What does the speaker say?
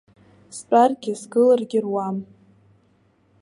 Стәаргьы сгыларгьы руам!